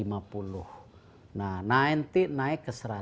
nah nanti naik ke seratus